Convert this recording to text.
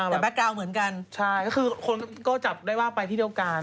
แต่แก๊กกาวน์เหมือนกันก็คือคนก็จับได้ว่าไปที่เดียวกัน